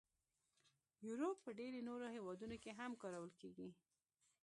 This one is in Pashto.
یورو په ډیری نورو هیوادونو کې هم کارول کېږي.